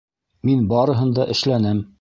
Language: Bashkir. Мин барыһын да эшләнем.